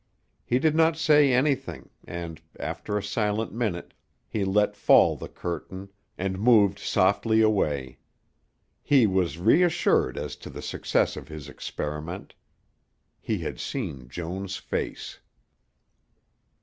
He did not say anything and, after a silent minute, he let fall the curtain and moved softly away. He was reassured as to the success of his experiment. He had seen Joan's face.